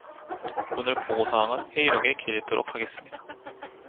오늘 보고사항은 회의록에 게재토록 하겠습니다.